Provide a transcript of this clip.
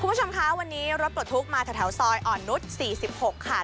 คุณผู้ชมคะวันนี้รถปลดทุกข์มาแถวซอยอ่อนนุษย์๔๖ค่ะ